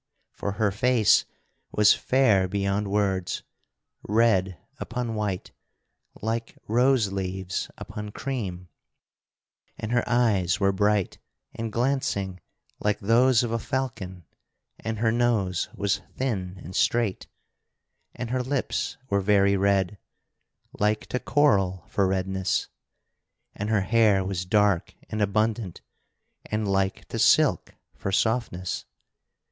For her face was fair beyond words; red upon white, like rose leaves upon cream; and her eyes were bright and glancing like those of a falcon, and her nose was thin and straight, and her lips were very red, like to coral for redness, and her hair was dark and abundant and like to silk for softness.